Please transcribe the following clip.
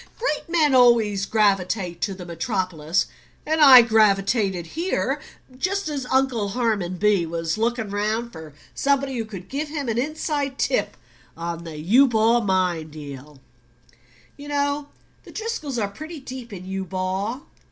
Great men always gravitate to the metropolis. And I gravitated here just as Uncle Harmon B. was looking round for somebody who could give him an inside tip on the Eubaw mine deal you know the Driscolls are pretty deep in Eubaw.